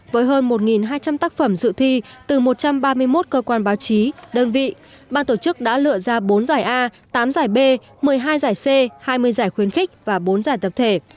với hơn một hai trăm linh tác phẩm dự thi từ một trăm ba mươi một cơ quan báo chí đơn vị ban tổ chức đã lựa ra bốn giải a tám giải b một mươi hai giải c hai mươi giải khuyến khích và bốn giải tập thể